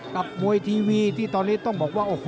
กับมวยทีวีที่ตอนนี้ต้องบอกว่า